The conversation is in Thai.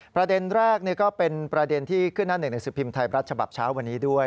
ประเด็นแรกก็เป็นประเด็นที่ขึ้นหน้าหนึ่งหนังสือพิมพ์ไทยรัฐฉบับเช้าวันนี้ด้วย